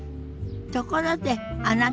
ところであなた